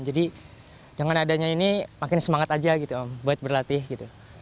jadi dengan adanya ini makin semangat aja gitu om buat berlatih gitu